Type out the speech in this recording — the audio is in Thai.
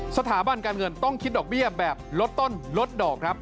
สถาบันการเงินต้องคิดดอกเบี้ยแบบลดต้นลดดอกครับ